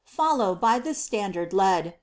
Follow, by this standard led !